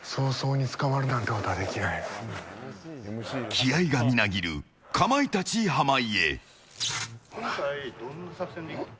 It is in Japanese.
気合がみなぎるかまいたち濱家。